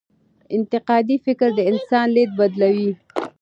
انتقادي فکر د انسان لید بدلوي.